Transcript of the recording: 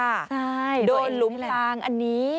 ใช่ตัวเองนี่แหละโดนลุ้มทางอันนี้